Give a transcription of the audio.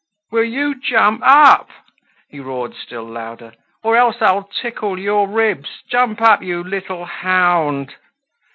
"Will you jump up?" he roared still louder, "or else I'll tickle your ribs! Jump up, you little hound!"